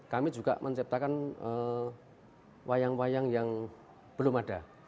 kami juga menciptakan wayang wayang yang belum ada